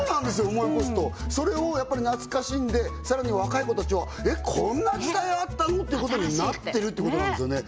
思い起こすとそれをやっぱり懐かしんでさらに若い子たちは「えっこんな時代あったの？」ってことになってるってことなんですよね